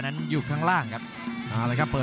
รับทราบบรรดาศักดิ์